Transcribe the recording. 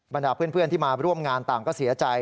ดาเพื่อนที่มาร่วมงานต่างก็เสียใจ